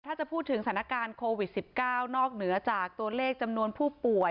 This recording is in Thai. ถ้าจะพูดถึงสถานการณ์โควิด๑๙นอกเหนือจากตัวเลขจำนวนผู้ป่วย